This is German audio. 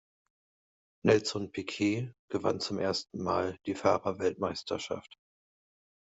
Nelson Piquet gewann zum ersten Mal die Fahrerweltmeisterschaft.